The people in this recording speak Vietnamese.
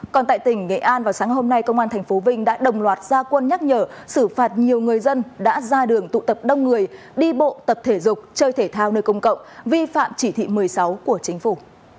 còn tại tỉnh nghệ an vào sáng hôm nay công an tp vinh đã đồng loạt gia quân nhắc nhở xử phạt nhiều người dân đã ra đường tụ tập đông người đi bộ tập thể dục chơi thể thao nơi công cộng vi phạm chỉ thị một mươi sáu của chính phủ